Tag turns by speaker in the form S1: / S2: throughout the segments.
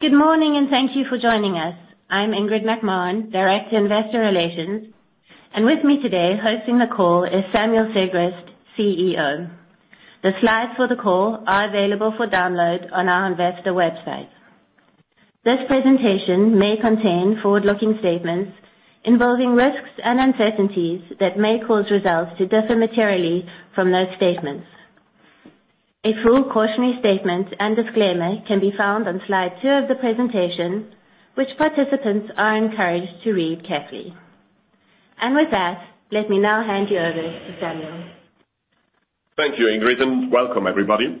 S1: Good morning, and thank you for joining us. I'm Ingrid McMahon, Director, Investor Relations. With me today hosting the call is Samuel Sigrist, CEO. The slides for the call are available for download on our investor website. This presentation may contain forward-looking statements involving risks and uncertainties that may cause results to differ materially from those statements. A full cautionary statement and disclaimer can be found on slide two of the presentation, which participants are encouraged to read carefully. With that, let me now hand you over to Samuel.
S2: Thank you, Ingrid, and welcome everybody.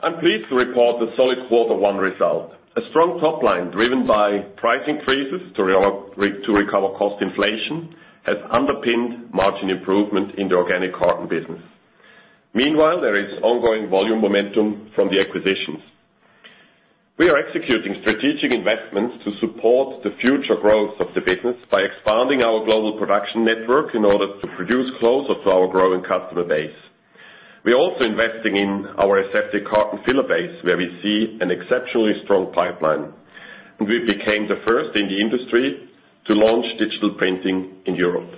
S2: I'm pleased to report a solid quarter one result. A strong top line driven by price increases to recover cost inflation has underpinned margin improvement in the organic carton business. Meanwhile, there is ongoing volume momentum from the acquisitions. We are executing strategic investments to support the future growth of the business by expanding our global production network in order to produce closer to our growing customer base. We're also investing in our aseptic carton filler base, where we see an exceptionally strong pipeline. We became the first in the industry to launch digital printing in Europe.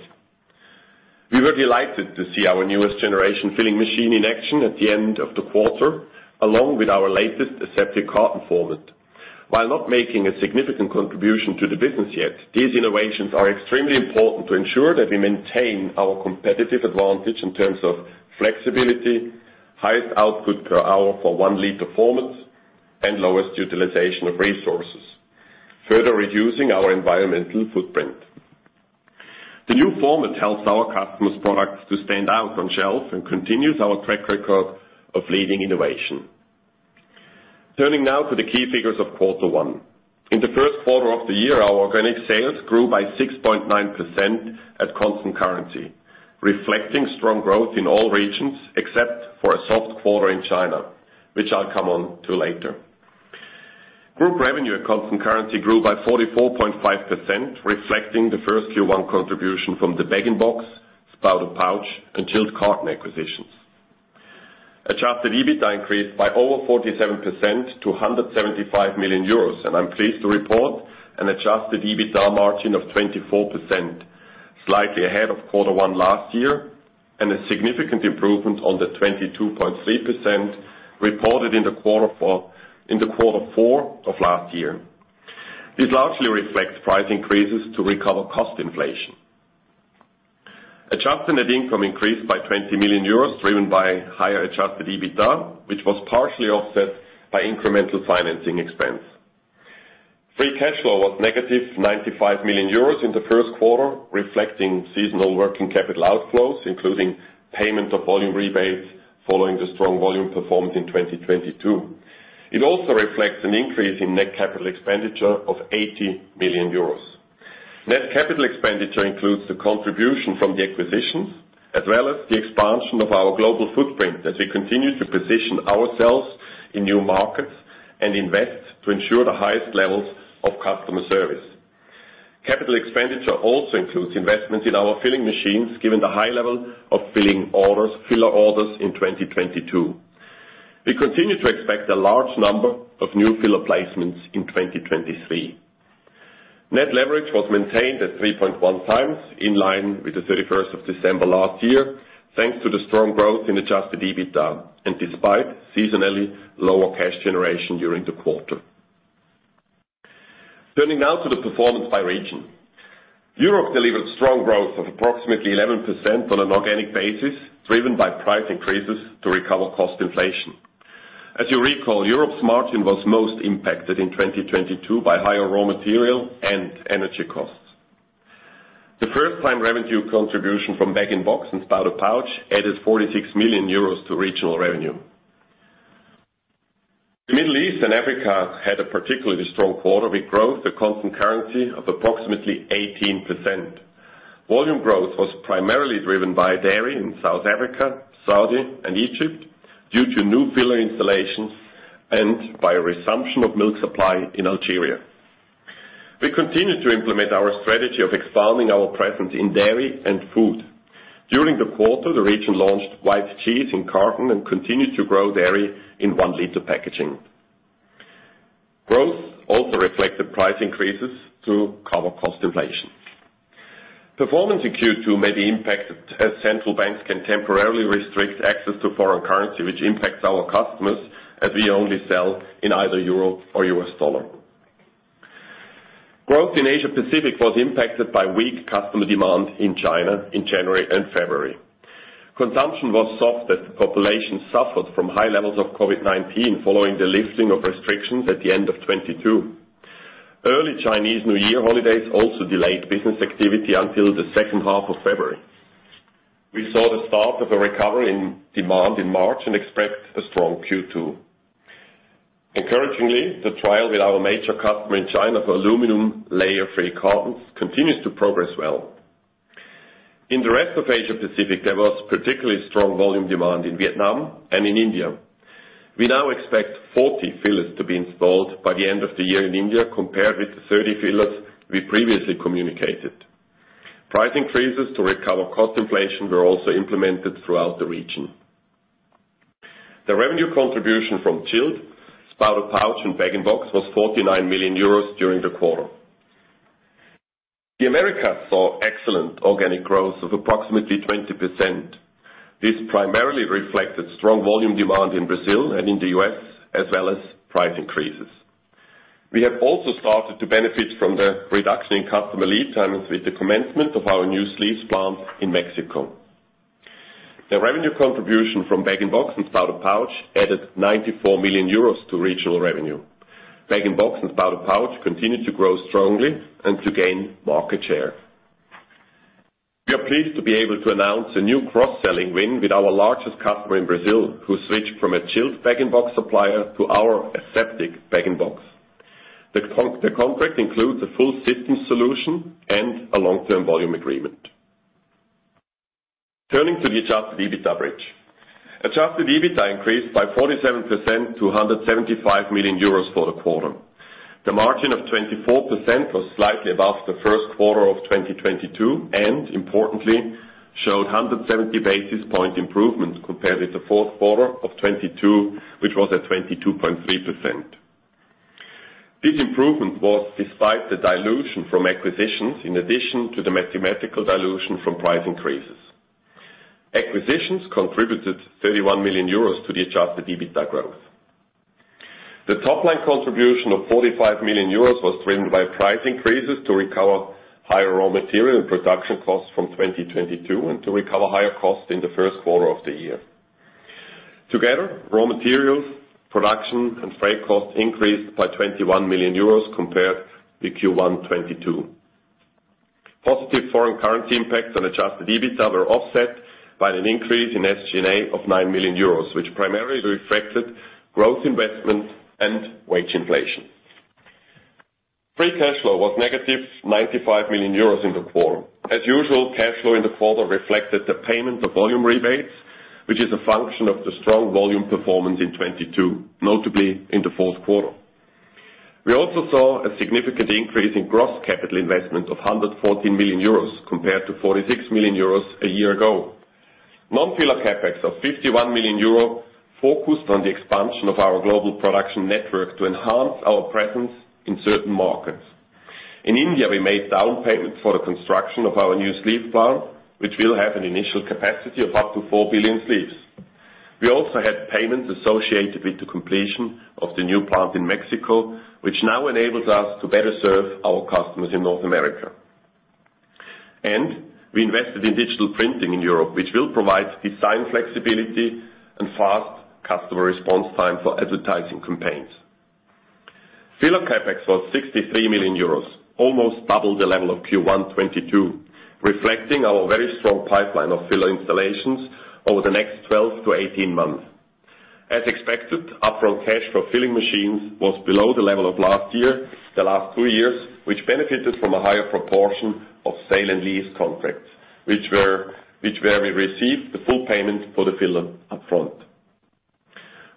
S2: We were delighted to see our newest generation filling machine in action at the end of the quarter, along with our latest aseptic carton format. While not making a significant contribution to the business yet, these innovations are extremely important to ensure that we maintain our competitive advantage in terms of flexibility, highest output per hour for one liter performance, and lowest utilization of resources, further reducing our environmental footprint. The new format helps our customers' products to stand out on shelf and continues our track record of leading innovation. Turning now to the key figures of quarter one. In the first quarter of the year, our organic sales grew by 6.9% at constant currency, reflecting strong growth in all regions except for a soft quarter in China, which I'll come on to later. Group revenue at constant currency grew by 44.5%, reflecting the first Q1 contribution from the bag-in-box, spouted pouch, and chilled carton acquisitions. adjusted EBITDA increased by over 47% to 175 million euros. I'm pleased to report an adjusted EBITDA margin of 24%, slightly ahead of quarter one last year, and a significant improvement on the 22.3% reported in the quarter four of last year. This largely reflects price increases to recover cost inflation. Adjusted net income increased by 20 million euros, driven by higher adjusted EBITDA, which was partially offset by incremental financing expense. Free cash flow was negative 95 million euros in the first quarter, reflecting seasonal working capital outflows, including payment of volume rebates following the strong volume performance in 2022. It also reflects an increase in net CapEx of 80 million euros. Net CapEx includes the contribution from the acquisitions, as well as the expansion of our global footprint as we continue to position ourselves in new markets and invest to ensure the highest levels of customer service. CapEx also includes investments in our filling machines, given the high level of filler orders in 2022. We continue to expect a large number of new filler placements in 2023. Net leverage was maintained at 3.1x, in line w-ith the December 31st last year, thanks to the strong growth in adjusted EBITDA and despite seasonally lower cash generation during the quarter. Turning now to the performance by region. Europe delivered strong growth of approximately 11% on an organic basis, driven by price increases to recover cost inflation. As you recall, Europe's margin was most impacted in 2022 by higher raw material and energy costs. The first-time revenue contribution from bag-in-box and spouted pouch added 46 million euros to regional revenue. The Middle East and Africa had a particularly strong quarter with growth at constant currency of approximately 18%. Volume growth was primarily driven by dairy in South Africa, Saudi, and Egypt due to new filler installations and by a resumption of milk supply in Algeria. We continued to implement our strategy of expanding our presence in dairy and food. During the quarter, the region launched white cheese in carton and continued to grow dairy in 1 L packaging. Growth also reflected price increases to cover cost inflation. Performance in Q2 may be impacted as central banks can temporarily restrict access to foreign currency, which impacts our customers as we only sell in either Euro or U.S. dollar. Growth in Asia Pacific was impacted by weak customer demand in China in January and February. Consumption was soft as the population suffered from high levels of COVID-19 following the lifting of restrictions at the end of 2022. Early Chinese New Year holidays also delayed business activity until the second half of February. We saw the start of a recovery in demand in March and expect a strong Q2. Encouragingly, the trial with our major customer in China for alu-layer-free cartons continues to progress well. In the rest of Asia Pacific, there was particularly strong volume demand in Vietnam and in India. We now expect 40 fillers to be installed by the end of the year in India, compared with the 30 fillers we previously communicated. Price increases to recover cost inflation were also implemented throughout the region. The revenue contribution from chilled, spouted pouch, and bag-in-box was 49 million euros during the quarter. The Americas saw excellent organic growth of approximately 20%. This primarily reflected strong volume demand in Brazil and in the U.S., as well as price increases. We have also started to benefit from the reduction in customer lead times with the commencement of our new sleeves plant in Mexico. The revenue contribution from bag-in-box and spouted pouch added 94 million euros to regional revenue. Bag-in-box and spouted pouch continued to grow strongly and to gain market share. We are pleased to be able to announce a new cross-selling win with our largest customer in Brazil, who switched from a chilled Bag-in-Box supplier to our aseptic Bag-in-Box. The contract includes a full system solution and a long-term volume agreement. Turning to the adjusted EBITDA bridge. Adjusted EBITDA increased by 47% to 175 million euros for the quarter. The margin of 24% was slightly above the first quarter of 2022, and importantly, showed 170 basis point improvement compared with the fourth quarter of 2022, which was at 22.3%. This improvement was despite the dilution from acquisitions, in addition to the mathematical dilution from price increases. Acquisitions contributed 31 million euros to the adjusted EBITDA growth. The top line contribution of 45 million euros was driven by price increases to recover higher raw material and production costs from 2022, and to recover higher costs in the first quarter of the year. Together, raw materials, production, and freight costs increased by 21 million euros compared to Q1 2022. Positive foreign currency impacts on adjusted EBITDA were offset by an increase in SG&A of 9 million euros, which primarily reflected growth investment and wage inflation. Free cash flow was negative 95 million euros in the quarter. As usual, cash flow in the quarter reflected the payment of volume rebates, which is a function of the strong volume performance in 2022, notably in the fourth quarter. We also saw a significant increase in gross capital investment of 114 million euros compared to 46 million euros a year ago. Non-filler CapEx of 51 million euro focused on the expansion of our global production network to enhance our presence in certain markets. In India, we made down payments for the construction of our new sleeve plant, which will have an initial capacity of up to 4 billion sleeves. We also had payments associated with the completion of the new plant in Mexico, which now enables us to better serve our customers in North America. We invested in digital printing in Europe, which will provide design flexibility and fast customer response time for advertising campaigns. Filler CapEx was 63 million euros, almost double the level of Q1 2022, reflecting our very strong pipeline of filler installations over the next 12 to 18 months. As expected, upfront cash for filling machines was below the level of last year, the last two years, which benefited from a higher proportion of sale and lease contracts, where we received the full payment for the filler upfront.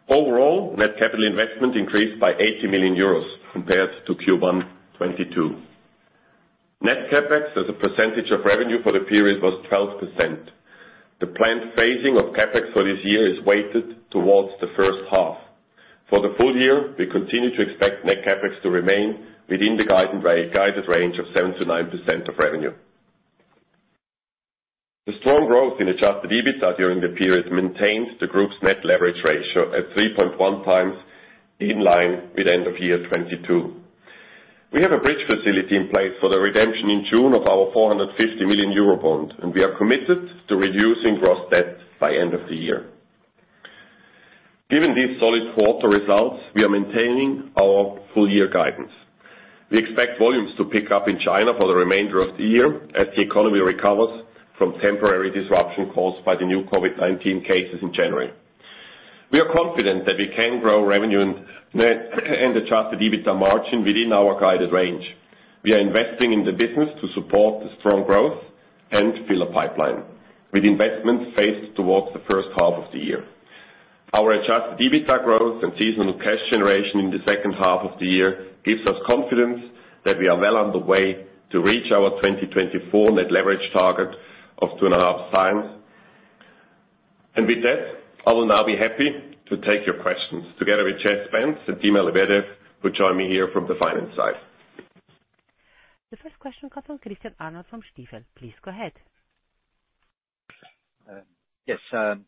S2: Overall, net capital investment increased by 80 million euros compared to Q1 2022. Net CapEx as a percentage of revenue for the period was 12%. The planned phasing of CapEx for this year is weighted towards the first half. For the full year, we continue to expect net CapEx to remain within the guided range of 7%-9% of revenue. The strong growth in adjusted EBITDA during the period maintains the group's net leverage ratio at 3.1 times, in line with end of year 2022. We have a bridge facility in place for the redemption in June of our 450 million euro bond. We are committed to reducing gross debt by end of the year. Given these solid quarter results, we are maintaining our full year guidance. We expect volumes to pick up in China for the remainder of the year as the economy recovers from temporary disruption caused by the new COVID-19 cases in January. We are confident that we can grow revenue and net and adjusted EBITDA margin within our guided range. We are investing in the business to support the strong growth and filler pipeline, with investments phased towards the first half of the year. Our adjusted EBITDA growth and seasonal cash generation in the second half of the year gives us confidence that we are well on the way to reach our 2024 net leverage target of 2.5x. With that, I will now be happy to take your questions together with Chet Spence and Dmitry Lebedev, who join me here from the finance side.
S3: The first question comes from Christian Arnold from Stifel. Please go ahead.
S4: Yes,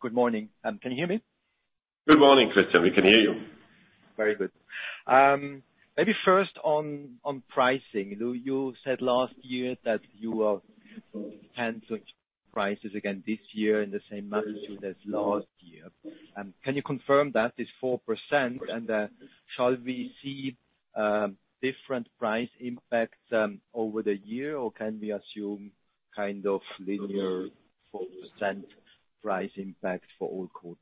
S4: good morning. Can you hear me?
S2: Good morning, Christian. We can hear you.
S4: Very good. Maybe first on pricing. You said last year that you will cancel prices again this year in the same manner as last year. Can you confirm that, it's 4%? Shall we see different price impacts over the year, or can we assume kind of linear 4% price impact for all quarters?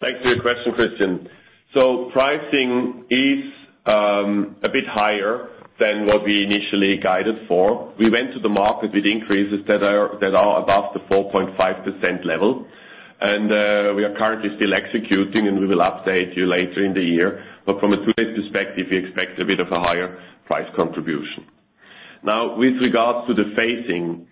S2: Thanks for your question, Christian. Pricing is a bit higher than what we initially guided for. We went to the market with increases that are above the 4.5% level. We are currently still executing and we will update you later in the year. From a two-day perspective, we expect a bit of a higher price contribution. With regards to the phasing,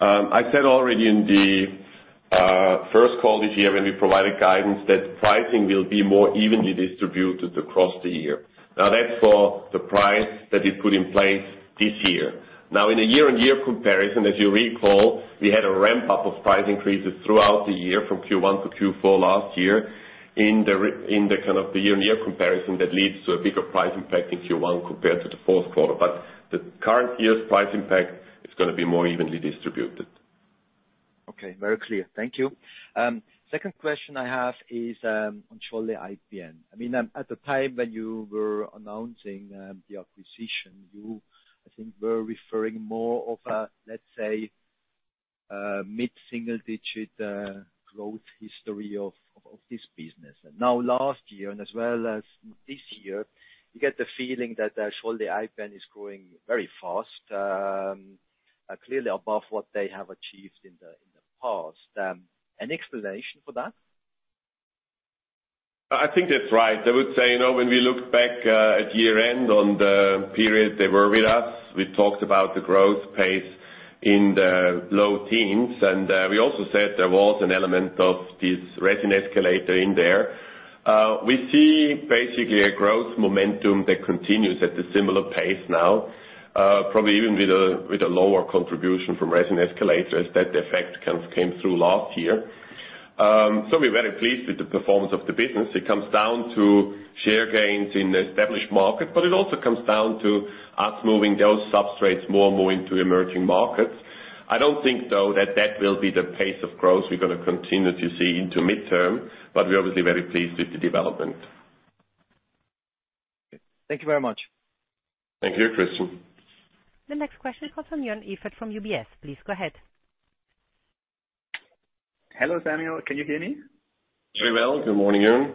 S2: I said already in the first call this year when we provided guidance that pricing will be more evenly distributed across the year. That's for the price that is put in place this year. In a year-on-year comparison, as you recall, we had a ramp-up of price increases throughout the year from Q1 to Q4 last year in the kind of the year-on-year comparison that leads to a bigger price impact in Q1 compared to the fourth quarter. The current year's price impact is gonna be more evenly distributed.
S4: Okay, very clear. Thank you. Second question I have is on Scholle IPN. I mean, at the time when you were announcing the acquisition, you, I think, were referring more of a, let's say, mid-single digit growth history of this business. Now, last year and as well as this year, you get the feeling that Scholle IPN is growing very fast, clearly above what they have achieved in the past. An explanation for that?
S2: I think that's right. I would say, you know, when we look back, at year-end on the period they were with us, we talked about the growth pace in the low teens. We also said there was an element of this resin escalator in there. We see basically a growth momentum that continues at a similar pace now, probably even with a lower contribution from resin escalators. That effect kind of came through last year. We're very pleased with the performance of the business. It comes down to share gains in established market, it also comes down to us moving those substrates more and more into emerging markets. I don't think, though, that that will be the pace of growth we're gonna continue to see into midterm, we're obviously very pleased with the development.
S4: Thank you very much.
S2: Thank you, Christian.
S3: The next question comes from Joern Iffert from UBS. Please go ahead.
S5: Hello, Samuel. Can you hear me?
S2: Very well. Good morning, Joern.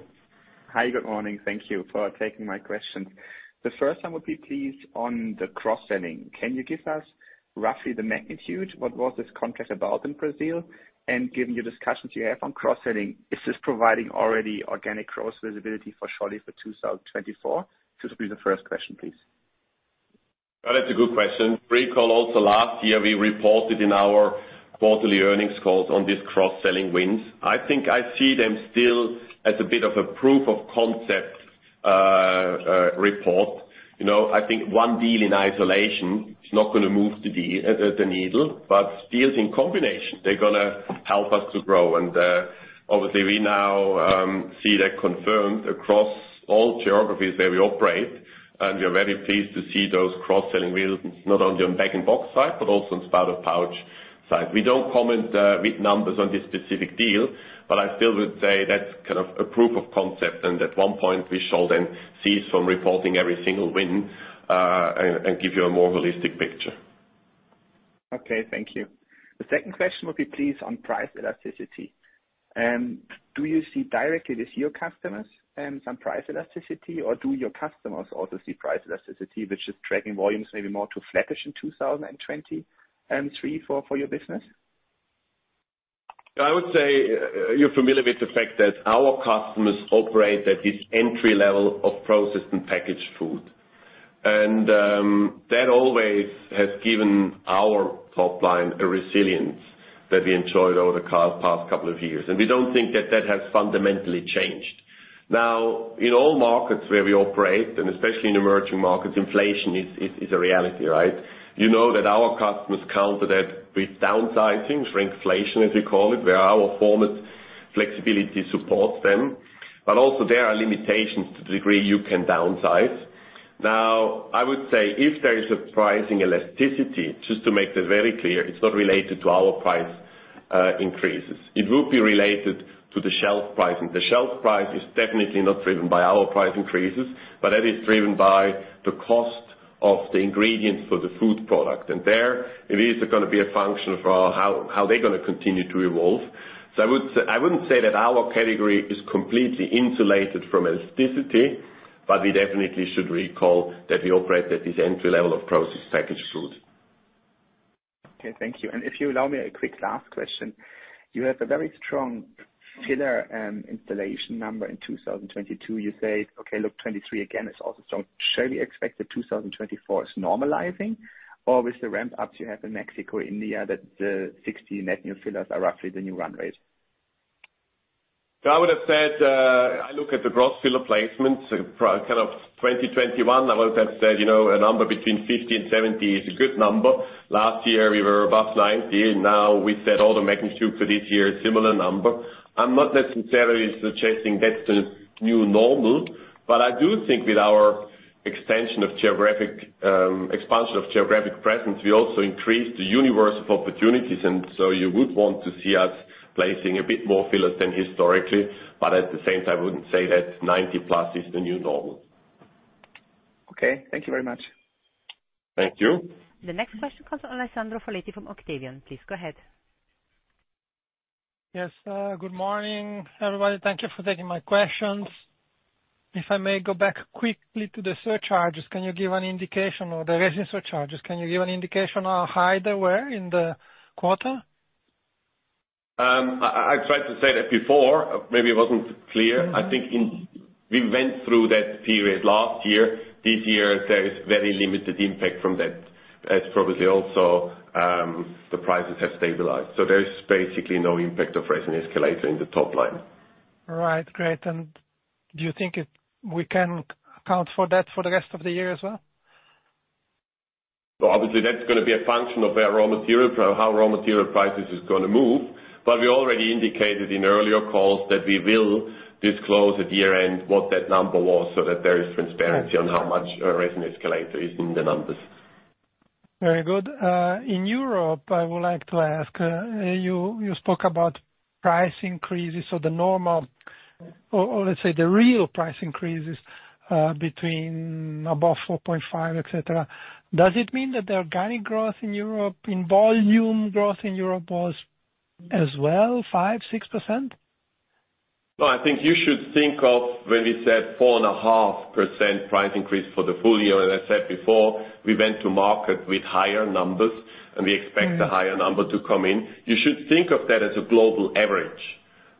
S5: Hi, good morning. Thank you for taking my question. The first one would be, please, on the cross-selling. Can you give us roughly the magnitude? What was this contract about in Brazil? Given your discussions you have on cross-selling, is this providing already organic growth visibility for Scholle for 2024? This will be the first question, please.
S2: That's a good question. Recall also last year we reported in our quarterly earnings calls on these cross-selling wins. I think I see them still as a bit of a proof of concept report. You know, I think one deal in isolation is not gonna move the needle, but deals in combination, they're gonna help us to grow. Obviously we now see that confirmed across all geographies where we operate, and we are very pleased to see those cross-selling wins, not only on pack and box side, but also on spout or pouch side. We don't comment with numbers on this specific deal, but I still would say that's kind of a proof of concept and at one point we shall then cease from reporting every single win and give you a more holistic picture.
S5: Okay, thank you. The second question would be, please, on price elasticity. Do you see directly with your customers, some price elasticity? Do your customers also see price elasticity which is dragging volumes maybe more to flattish in 2023, 2024 for your business?
S2: I would say you're familiar with the fact that our customers operate at this entry level of processed and packaged food. That always has given our top line a resilience that we enjoyed over the past couple of years. We don't think that that has fundamentally changed. Now, in all markets where we operate, and especially in emerging markets, inflation is a reality, right? You know that our customers counter that with downsizing or inflation, as we call it, where our format flexibility supports them. Also there are limitations to the degree you can downsize. Now, I would say if there is a pricing elasticity, just to make this very clear, it's not related to our price increases. It would be related to the shelf pricing. The shelf price is definitely not driven by our price increases, but that is driven by the cost of the ingredients for the food product. There it is gonna be a function for how they're gonna continue to evolve. I wouldn't say that our category is completely insulated from elasticity, but we definitely should recall that we operate at this entry level of processed packaged food.
S5: Okay, thank you. If you allow me a quick last question. You have a very strong filler, installation number in 2022. You say, "Okay, look, 23 again is also strong." Shall we expect that 2024 is normalizing or with the ramp ups you have in Mexico, India, that the 60 net new fillers are roughly the new run rate?
S2: I would've said, I look at the gross filler placements for kind of 2021. I would have said, you know, a number between 50 and 70 is a good number. Last year we were above 90, and now we said all the magnitude for this year, a similar number. I'm not necessarily suggesting that's the new normal, but I do think with our extension of geographic expansion of geographic presence, we also increased the universe of opportunities. You would want to see us placing a bit more fillers than historically, but at the same time, I wouldn't say that 90+ is the new normal.
S5: Okay, thank you very much.
S2: Thank you.
S3: The next question comes from Alessandro Foletti from Octavian. Please go ahead.
S6: Yes, good morning, everybody. Thank you for taking my questions. If I may go back quickly to the surcharges, can you give an indication or the resin surcharges, can you give an indication on how high they were in the quarter?
S2: I tried to say that before, maybe it wasn't clear.
S6: Mm-hmm.
S2: I think We went through that period last year. This year there is very limited impact from that. That's probably also the prices have stabilized. There is basically no impact of resin escalator in the top line.
S6: Right. Great. Do you think we can account for that for the rest of the year as well?
S2: Obviously that's gonna be a function of our raw material, how raw material prices is gonna move. We already indicated in earlier calls that we will disclose at year-end what that number was, so that there is transparency.
S6: Right.
S2: -on how much resin escalator is in the numbers.
S6: Very good. In Europe, I would like to ask, you spoke about price increases or the normal or let's say the real price increases, between above 4.5, et cetera? Does it mean that the organic growth in Europe, in volume growth in Europe was as well 5%, 6%?
S2: I think you should think of when we said 4.5% price increase for the full year, and I said before, we went to market with higher numbers, and we expect a higher number to come in. You should think of that as a global average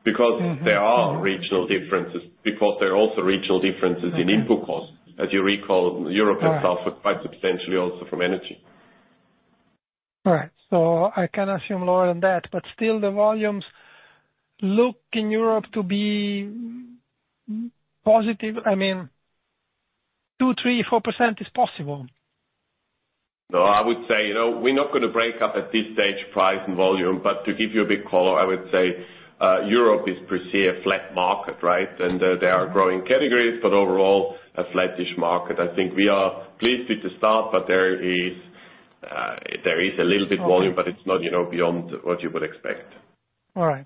S2: because.
S6: Mm-hmm.
S2: There are regional differences. There are also regional differences in input costs. As you recall, Europe has suffered quite substantially also from energy.
S6: All right, I can assume lower than that, but still the volumes look in Europe to be positive. I mean, 2%, 3%, 4% is possible.
S2: I would say, you know, we're not gonna break up at this stage price and volume, but to give you a big call, I would say, Europe is per se a flat market, right? There are growing categories, but overall a flattish market. I think we are pleased with the start, but there is, there is a little bit volume, but it's not, you know, beyond what you would expect.
S6: All right.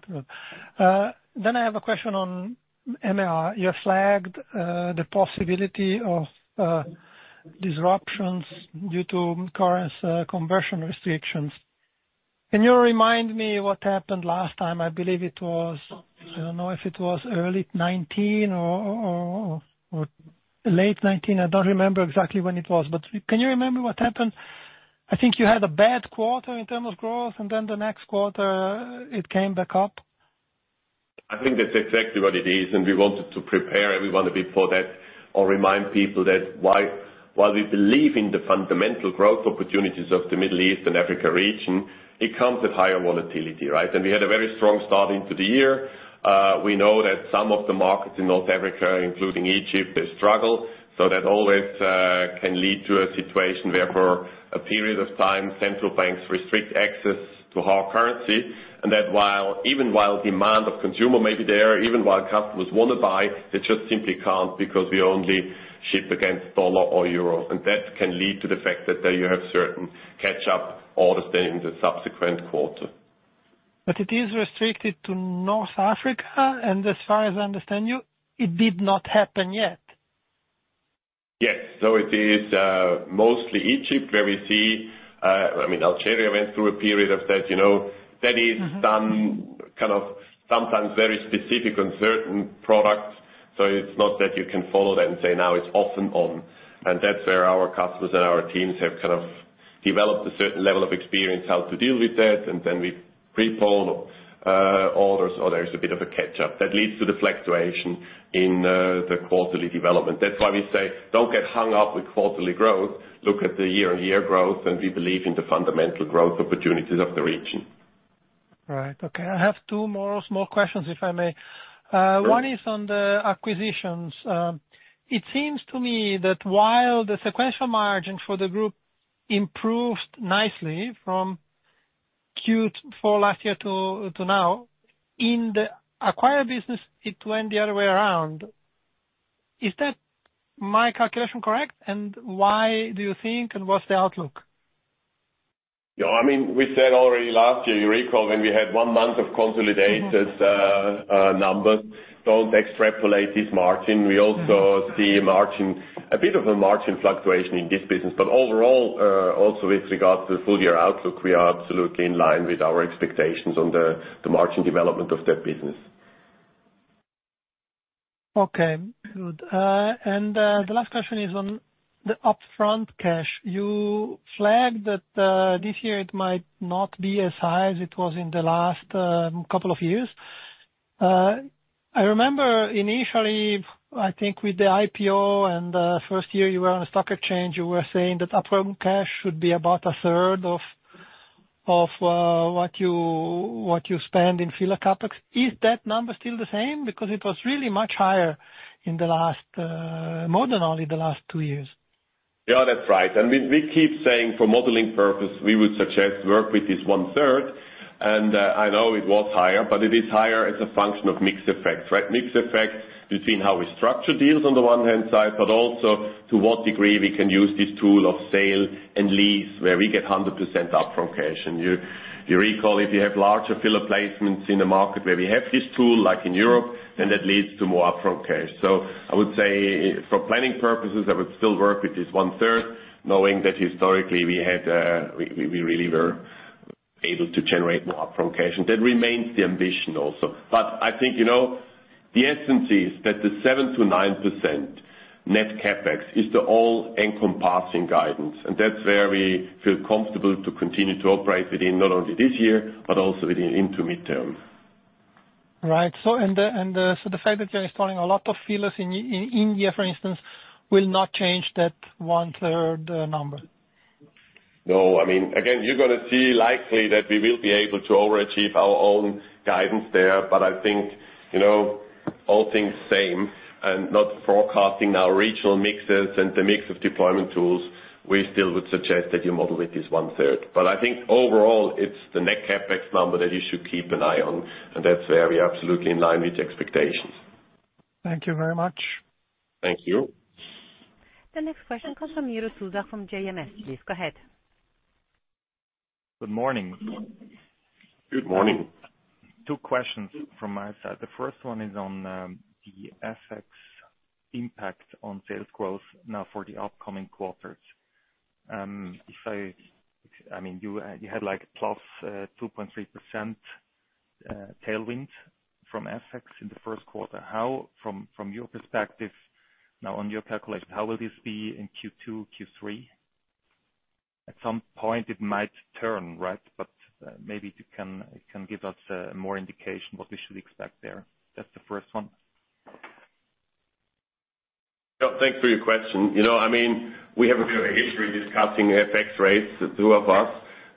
S6: I have a question on MEA. You have flagged the possibility of disruptions due to currency conversion restrictions. Can you remind me what happened last time? I believe it was, I don't know if it was early 2019 or late 2019. I don't remember exactly when it was, but can you remember what happened? I think you had a bad quarter in terms of growth, the next quarter it came back up.
S2: I think that's exactly what it is, and we wanted to prepare everyone a bit for that or remind people that while we believe in the fundamental growth opportunities of the Middle East and Africa region, it comes with higher volatility, right? We had a very strong start into the year. We know that some of the markets in North Africa, including Egypt, they struggle. That always can lead to a situation where for a period of time, central banks restrict access to hard currency. That even while demand of consumer may be there, even while customers wanna buy, they just simply can't because we only ship against dollar or euros. That can lead to the fact that there you have certain catch up all the time in the subsequent quarter.
S6: It is restricted to North Africa, and as far as I understand you, it did not happen yet.
S2: Yes. It is mostly Egypt where we see, I mean, Algeria went through a period of that, you know. That is some kind of sometimes very specific on certain products. It's not that you can follow that and say, now it's off and on. That's where our customers and our teams have kind of developed a certain level of experience how to deal with that. Then we pre-pull orders or there's a bit of a catch-up. That leads to the fluctuation in the quarterly development. That's why we say, "Don't get hung up with quarterly growth. Look at the year-on-year growth, and we believe in the fundamental growth opportunities of the region.
S6: Right. Okay. I have two more small questions, if I may. One is on the acquisitions. It seems to me that while the sequential margin for the group improved nicely from Q4 last year to now, in the acquired business, it went the other way around. Is that my calculation correct? Why do you think, and what's the outlook?
S2: Yeah, I mean, we said already last year, you recall when we had one month of consolidated numbers, don't extrapolate this margin. We also see a bit of a margin fluctuation in this business. Overall, also with regard to the full-year outlook, we are absolutely in line with our expectations on the margin development of that business.
S6: Okay, good. The last question is on the upfront cash. You flagged that this year it might not be as high as it was in the last couple of years. I remember initially, I think with the IPO and first year you were on a stock exchange, you were saying that upfront cash should be about a third of what you spend in filler CapEx. Is that number still the same? Because it was really much higher in the last more than only the last two years.
S2: That's right. We keep saying for modeling purpose, we would suggest work with this 1/3. I know it was higher, but it is higher as a function of mix effect, right? Mix effect between how we structure deals on the one hand side, but also to what degree we can use this tool of sale and leaseback, where we get 100% upfront cash. You recall, if you have larger filler placements in a market where we have this tool, like in Europe, then that leads to more upfront cash. I would say for planning purposes, I would still work with this 1/3, knowing that historically we had, we really were able to generate more upfront cash. That remains the ambition also. I think, you know, the essence is that the 7%-9% net CapEx is the all-encompassing guidance, and that's where we feel comfortable to continue to operate within not only this year but also within into midterm.
S6: Right. The fact that you are installing a lot of fillers in India, for instance, will not change that one-third number.
S2: No. I mean, again, you're gonna see likely that we will be able to overachieve our own guidance there. I think, you know, all things same and not forecasting our regional mixes and the mix of deployment tools, we still would suggest that you model it as 1/3. I think overall it's the net CapEx number that you should keep an eye on, and that's where we're absolutely in line with expectations.
S6: Thank you very much.
S2: Thank you.
S3: The next question comes from Jeroen Souza from JMS. Please go ahead.
S7: Good morning.
S2: Good morning.
S7: Two questions from my side. The first one is on the FX impact on sales growth now for the upcoming quarters. I mean, you had like plus 2.3% tailwind from FX in the first quarter. How, from your perspective now on your calculation, how will this be in Q2, Q3? At some point it might turn right, but maybe you can give us more indication what we should expect there. That's the first one.
S2: Yeah, thanks for your question. You know, I mean, we have a history discussing FX rates, the two of us.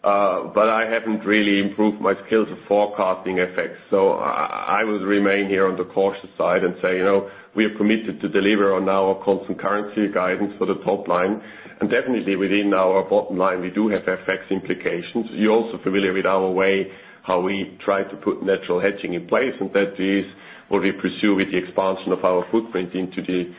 S2: I haven't really improved my skills of forecasting FX. I will remain here on the cautious side and say, you know, we are committed to deliver on our constant currency guidance for the top line. Definitely within our bottom line, we do have FX implications. You're also familiar with our way, how we try to put natural hedging in place, and that is what we pursue with the expansion of our footprint into the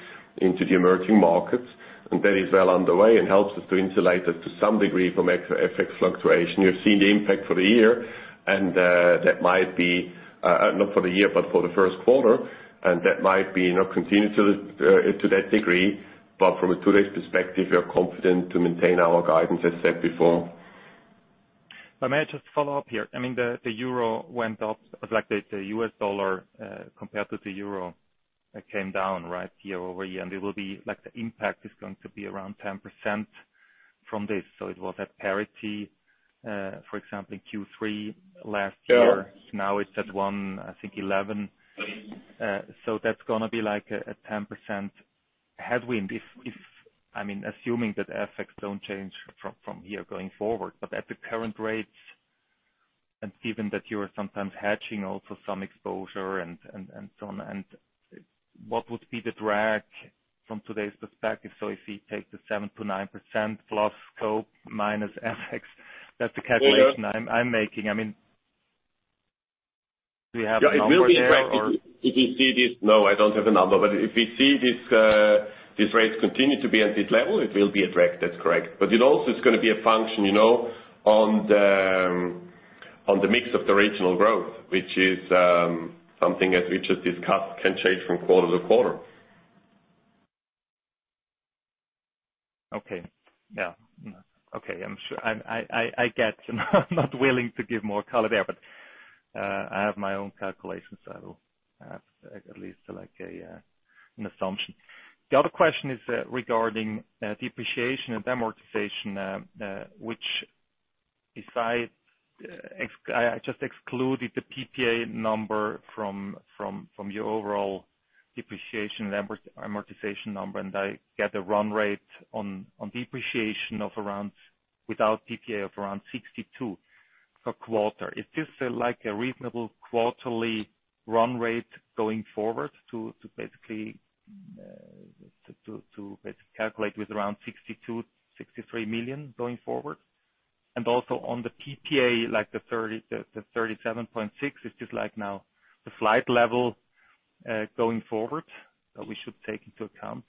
S2: emerging markets. That is well underway and helps us to insulate it to some degree from FX fluctuation. You've seen the impact for the year and that might be not for the year, but for the first quarter, and that might be, you know, continued to that degree. From today's perspective, we are confident to maintain our guidance, as said before.
S7: May I just follow up here? I mean, the euro went up as like the US dollar compared to the euro came down right year-over-year, like the impact is going to be around 10% from this. It was at parity, for example, in Q3 last year.
S2: Yeah.
S7: Now it's at one, I think 11. That's gonna be like a 10% headwind if, I mean, assuming that FX don't change from here going forward. At the current rates and given that you are sometimes hedging also some exposure and so on, what would be the drag from today's perspective? If you take the 7%-9% plus scope minus FX, that's the calculation.
S2: Yeah.
S7: I'm making. I mean, do you have a number there or?
S2: Yeah. It will be a drag if you see. No, I don't have a number. If we see these rates continue to be at this level, it will be a drag, that's correct. It also is going to be a function, you know, on the mix of the regional growth, which is something as we just discussed can change from quarter to quarter.
S7: Okay. Yeah. Okay. I get you're not willing to give more color there, but, I have my own calculations, so I will have at least like an assumption. The other question is regarding depreciation and amortization, which if I just excluded the PPA number from your overall depreciation and amortization number, I get a run rate on depreciation of around without PPA of around 62 per quarter. Is this like a reasonable quarterly run rate going forward to basically calculate with around 62 million-63 million going forward? Also on the PPA, like the 37.6, is this like now the flight level going forward that we should take into account?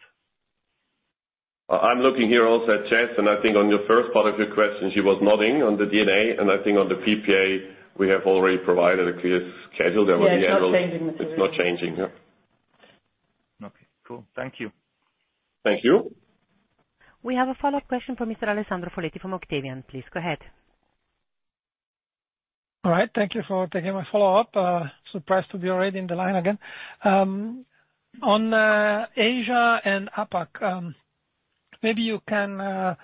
S2: I'm looking here also at Jess, and I think on your first part of your question, she was nodding on the DNA. I think on the PPA we have already provided a clear schedule that we-.
S8: Yeah, it's not changing material.
S2: It's not changing. Yeah.
S7: Okay, cool. Thank you.
S2: Thank you.
S3: We have a follow-up question from Mr. Alessandro Foletti from Octavian AG. Please go ahead.
S6: All right. Thank you for taking my follow-up. Surprised to be already in the line again. On Asia and APAC, maybe you can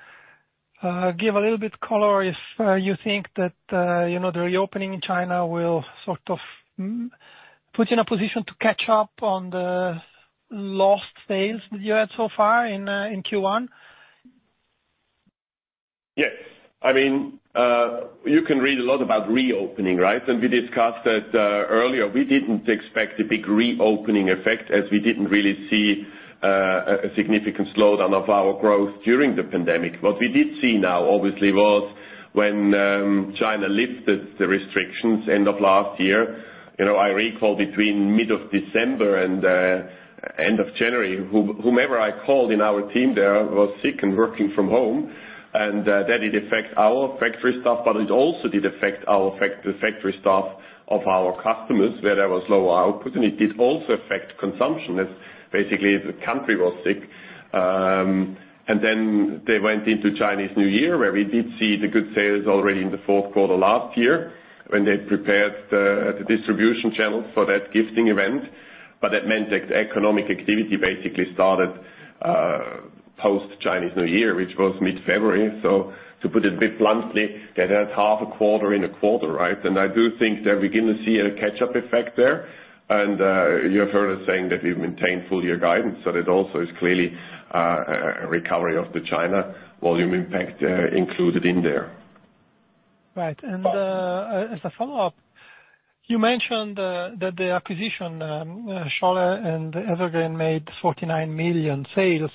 S6: give a little bit color if you think that, you know, the reopening in China will sort of put you in a position to catch up on the lost sales that you had so far in Q1?
S2: Yes. I mean, you can read a lot about reopening, right? We discussed that earlier. We didn't expect a big reopening effect as we didn't really see a significant slowdown of our growth during the pandemic. What we did see now, obviously, was when China lifted the restrictions end of last year. You know, I recall between mid-December and end of January, whomever I called in our team there was sick and working from home. That it affects our factory staff, but it also did affect the factory staff of our customers, where there was low output, and it did also affect consumption as basically the country was sick. They went into Chinese New Year, where we did see the good sales already in Q4 last year when they prepared the distribution channel for that gifting event. That meant that the economic activity basically started post-Chinese New Year, which was mid-February. To put it a bit bluntly, they had half a quarter in a quarter, right? I do think that we're gonna see a catch-up effect there. You have heard us saying that we've maintained full-year guidance, so that also is clearly a recovery of the China volume impact included in there.
S6: Right. As a follow-up, you mentioned that the acquisition, Scholle and Evergreen made 49 million sales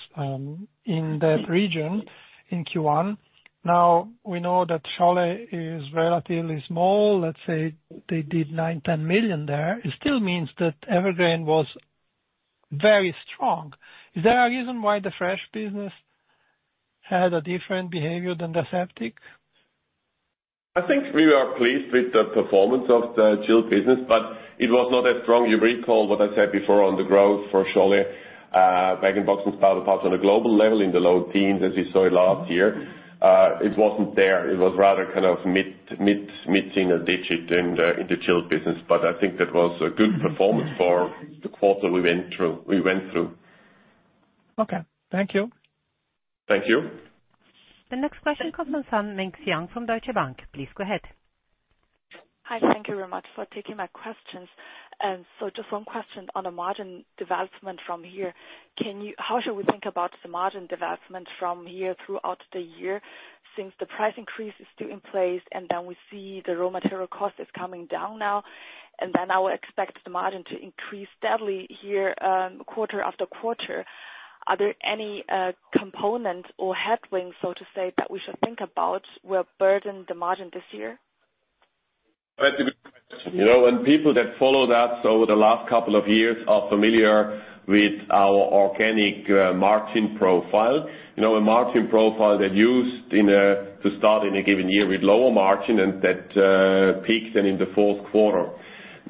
S6: in that region in Q1. We know that Scholle is relatively small. Let's say they did 9 million-10 million there. It still means that Evergreen was very strong. Is there a reason why the fresh business had a different behavior than the aseptic?
S2: I think we are pleased with the performance of the chilled business, it was not as strong. You recall what I said before on the growth for Scholle, bag-in-box and spouted pouch on a global level in the low teens as we saw it last year. It wasn't there. It was rather kind of mid-single digit in the chilled business. I think that was a good performance for the quarter we went through.
S6: Okay. Thank you.
S2: Thank you.
S3: The next question comes from Mengxian Sun from Deutsche Bank. Please go ahead.
S9: Hi. Thank you very much for taking my questions. Just one question on the margin development from here. How should we think about the margin development from here throughout the year since the price increase is still in place, we see the raw material cost is coming down now, I would expect the margin to increase steadily here, quarter after quarter. Are there any components or headwinds, so to say, that we should think about will burden the margin this year?
S2: That's a good question. You know, when people that followed us over the last couple of years are familiar with our organic margin profile. You know, a margin profile that used in to start in a given year with lower margin and that peaked then in the fourth quarter.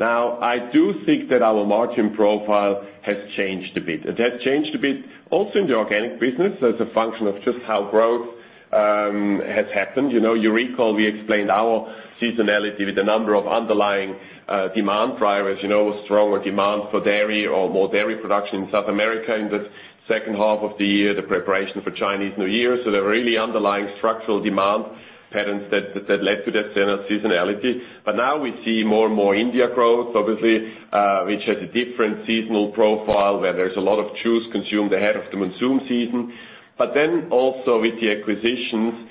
S2: I do think that our margin profile has changed a bit. It has changed a bit also in the organic business. It's a function of just how growth has happened. You know, you recall we explained our seasonality with a number of underlying demand drivers, you know, stronger demand for dairy or more dairy production in South America in the second half of the year, the preparation for Chinese New Year. There are really underlying structural demand patterns that led to that seasonality. Now we see more and more India growth, obviously, which has a different seasonal profile, where there's a lot of juice consumed ahead of the monsoon season. Also with the acquisitions,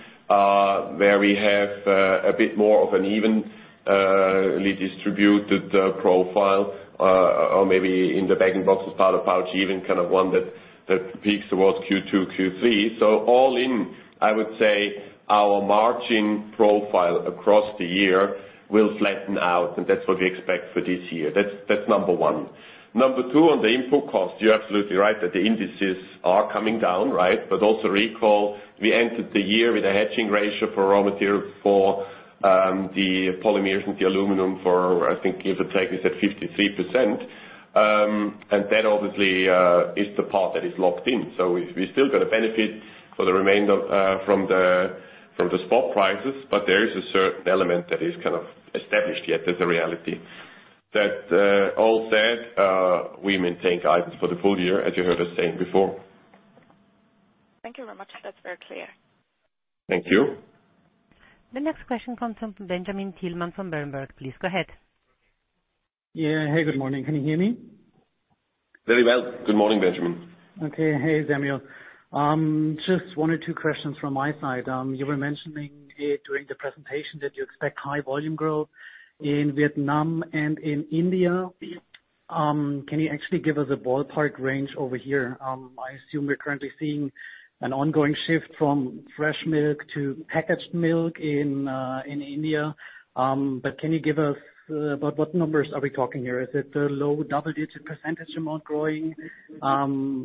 S2: where we have a bit more of an evenly distributed profile, or maybe in the bag-in-box or spouted pouch, even kind of one that peaks towards Q2, Q3. All in, I would say our margin profile across the year will flatten out, and that's what we expect for this year. That's number one. Number two, on the input cost, you're absolutely right that the indices are coming down, right? Also recall, we entered the year with a hedging ratio for raw material for the polymers and the aluminum for, I think, give or take, is at 53%. That obviously, is the part that is locked in. We still got a benefit for the remainder, from the, from the spot prices, but there is a certain element that is kind of established yet as a reality. All said, we maintain guidance for the full year, as you heard us saying before.
S9: Thank you very much. That's very clear.
S2: Thank you.
S3: The next question comes from Benjamin Thielmann from Berenberg. Please go ahead.
S10: Yeah. Hey, good morning. Can you hear me?
S2: Very well. Good morning, Benjamin.
S10: Okay. Hey, Samuel. Just one or two questions from my side. You were mentioning during the presentation that you expect high volume growth in Vietnam and in India. Can you actually give us a ballpark range over here? I assume you're currently seeing an ongoing shift from fresh milk to packaged milk in India. Can you give us about what numbers are we talking here? Is it a low double-digit % amount growing?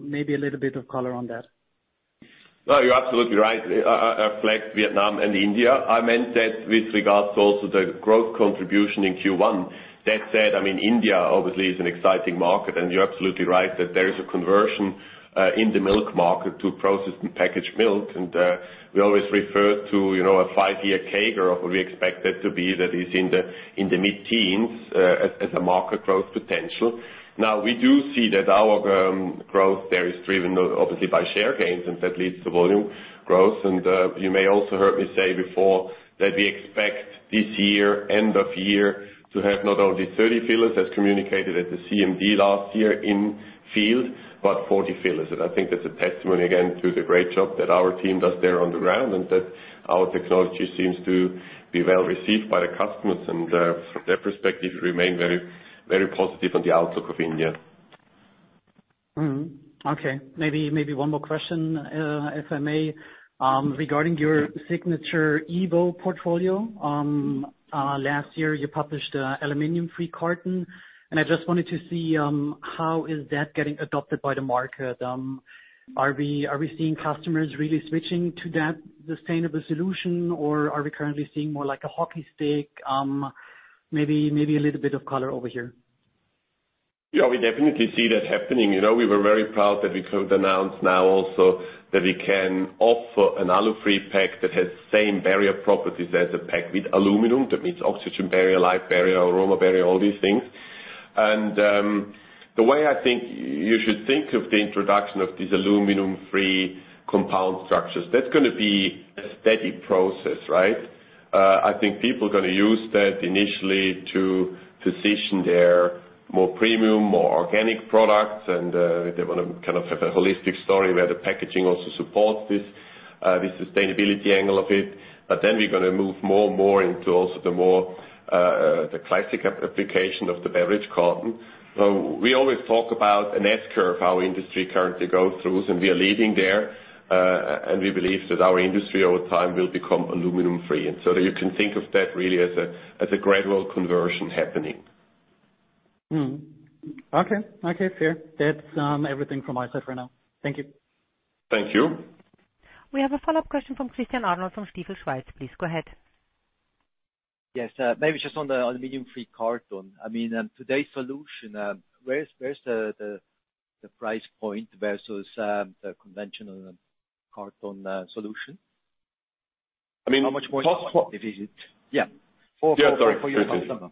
S10: Maybe a little bit of color on that.
S2: No, you're absolutely right. flag Vietnam and India. I meant that with regards also to the growth contribution in Q1. That said, I mean, India obviously is an exciting market, and you're absolutely right that there is a conversion in the milk market to processed and packaged milk. We always refer to, you know, a five-year CAGR of what we expect it to be that is in the mid-teens as a market growth potential. Now, we do see that our growth there is driven obviously by share gains, and that leads to volume growth. You may also heard me say before that we expect this year, end of year, to have not only 30 fillers as communicated at the CMD last year in field, but 40 fillers. I think that's a testimony again to the great job that our team does there on the ground and that our technology seems to be well received by the customers and their perspective remain very, very positive on the outlook of India.
S10: Mm-hmm. Okay. Maybe one more question, if I may, regarding your SIGNATURE EVO portfolio. Last year you published a alu-layer-free carton, and I just wanted to see how is that getting adopted by the market. Are we seeing customers really switching to that sustainable solution, or are we currently seeing more like a hockey stick?
S4: Maybe a little bit of color over here.
S2: Yeah, we definitely see that happening. You know, we were very proud that we could announce now also that we can offer an alu-free pack that has same barrier properties as a pack with aluminum. That means oxygen barrier, life barrier, aroma barrier, all these things. The way I think you should think of the introduction of these aluminum-free compound structures, that's gonna be a steady process, right? I think people are gonna use that initially to position their more premium, more organic products, and they wanna kind of have a holistic story where the packaging also supports this sustainability angle of it. We're gonna move more and more into also the more the classic application of the beverage carton. We always talk about an S-curve, how industry currently goes through, and we are leading there. We believe that our industry over time will become aluminum free. You can think of that really as a gradual conversion happening.
S4: Okay. Okay, fair. That's everything from my side for now. Thank you.
S2: Thank you.
S3: We have a follow-up question from Christian Arnold from Stifel Schweiz. Please go ahead.
S4: Yes. Maybe just on the alu-layer-free carton. I mean, on today's solution, where's the price point versus the conventional carton solution?
S2: I mean-
S4: How much more is it? Yeah.
S2: Yeah. Sorry.
S4: For your customer.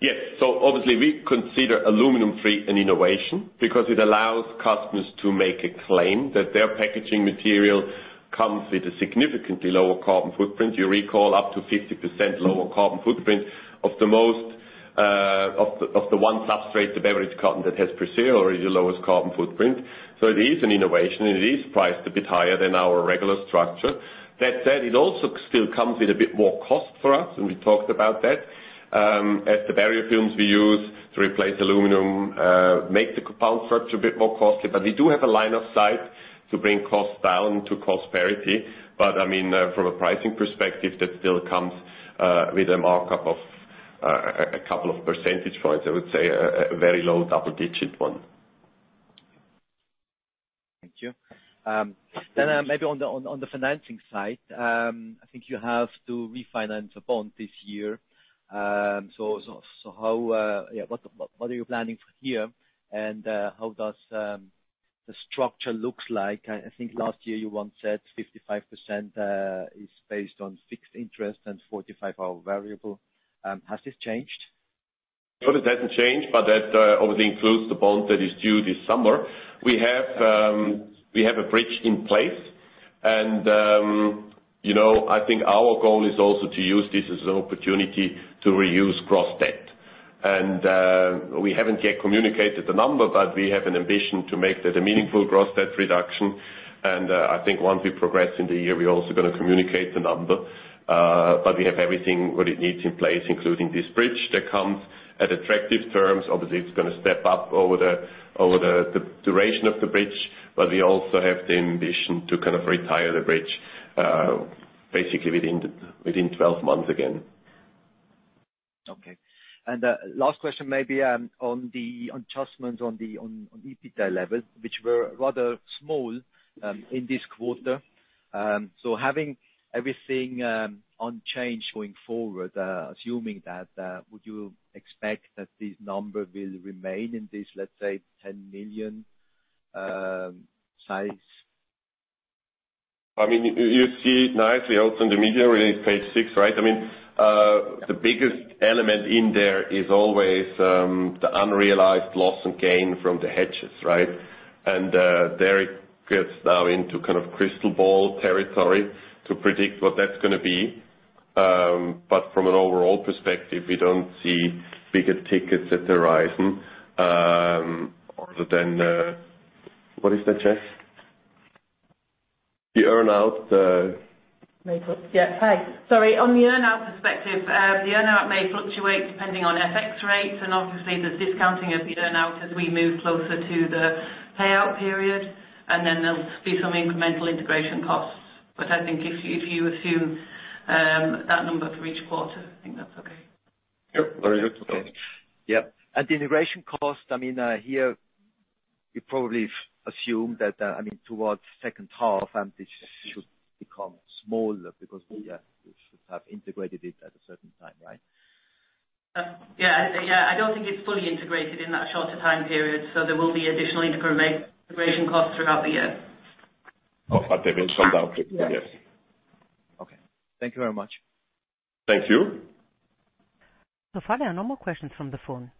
S2: Yes. Obviously, we consider aluminum-free an innovation because it allows customers to make a claim that their packaging material comes with a significantly lower carbon footprint. You recall up to 50% lower carbon footprint of the one substrate, the beverage carton that has pursued already the lowest carbon footprint. It is an innovation, and it is priced a bit higher than our regular structure. That said, it also still comes with a bit more cost for us, and we talked about that. As the barrier films we use to replace aluminum make the compound structure a bit more costly. We do have a line of sight to bring costs down to cost parity. I mean, from a pricing perspective, that still comes with a markup of a couple of percentage points. I would say a very low double-digit one.
S4: Thank you. Maybe on the financing side, I think you have to refinance a bond this year. How, what are you planning for here? How does, the structure looks like? I think last year you once said 55% is based on fixed interest and 45% are variable. Has this changed?
S2: No, it hasn't changed, but that obviously includes the bond that is due this summer. We have we have a bridge in place and, you know, I think our goal is also to use this as an opportunity to reuse cross-debt. We haven't yet communicated the number, but we have an ambition to make that a meaningful cross-debt reduction. I think once we progress in the year, we're also gonna communicate the number. But we have everything what it needs in place, including this bridge that comes at attractive terms. Obviously, it's gonna step up over the duration of the bridge, but we also have the ambition to kind of retire the bridge, basically within 12 months again.
S4: Okay. Last question maybe, on EBITDA levels, which were rather small in this quarter. Having everything unchanged going forward, assuming that, would you expect that this number will remain in this, let's say, 10 million size?
S2: I mean, you see it nicely also in the media release page 6, right? I mean, the biggest element in there is always, the unrealized loss and gain from the hedges, right? There it gets now into kind of crystal ball territory to predict what that's gonna be. From an overall perspective, we don't see bigger tickets at the horizon, other than... What is that, Jess? The earn-out
S8: Yeah. Hi. Sorry. On the earn-out perspective, the earn-out may fluctuate depending on FX rates and obviously the discounting of the earn-out as we move closer to the payout period. Then there'll be some incremental integration costs. I think if you, if you assume, that number for each quarter, I think that's okay.
S2: Yep. Very good. Okay.
S4: Yep. The integration cost, I mean, here you probably assume that, I mean, towards second half, this should become smaller because we should have integrated it at a certain time, right?
S8: Yeah. I don't think it's fully integrated in that shorter time period. There will be additional integration costs throughout the year.
S2: Oh, they will shut down completely.
S8: Yes.
S4: Okay. Thank you very much.
S2: Thank you.
S3: Far, there are no more questions from the phone.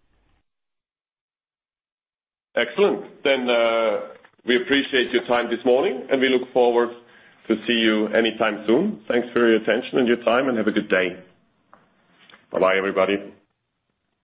S2: Excellent. We appreciate your time this morning, and we look forward to see you anytime soon. Thanks for your attention and your time, and have a good day. Bye everybody.